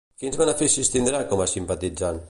Quins beneficis tindrà com a simpatitzant?